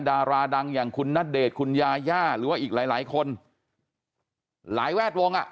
ดาราดังอย่างคุณณเดชน์คุณยาย่าหรือว่าอีกหลายหลายคนหลายแวดวงอ่ะ